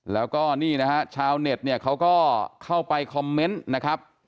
แล้วก็นี่นะฮะชาวเน็ตเนี่ยเขาก็เข้าไปคอมเมนต์นะครับ